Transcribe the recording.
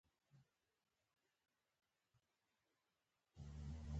د هر سړي کار ماندۀ دی